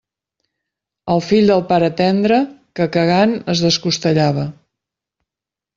El fill del pare tendre, que cagant es descostellava.